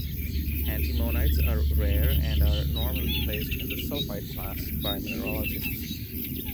Antimonides are rare and are normally placed in the sulfide class by mineralogists.